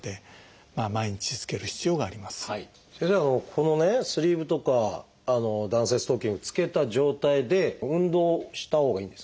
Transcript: このスリーブとか弾性ストッキングを着けた状態で運動したほうがいいんですか？